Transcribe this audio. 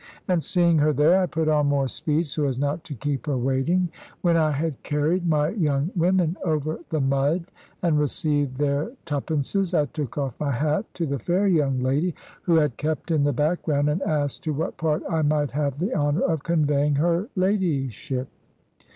And seeing her there, I put on more speed, so as not to keep her waiting. When I had carried my young women over the mud and received their twopences, I took off my hat to the fair young lady, who had kept in the background, and asked to what part I might have the honour of conveying her ladyship.